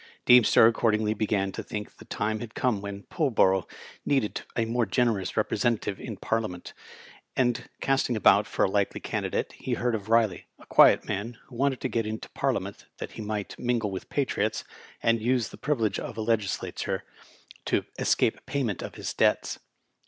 Deem ster accordingly began to think the time had come when Pullborough needed a more generous representative in Parliament, and casting about for a likely candidate, he Digitized by VjOOQIC BILEY, M. P. 161 heard of Efley, a quiet man, who wanted to get into Par liament that he might mingle with patriots, and use the privileges of a legislator to escape payment of his debts.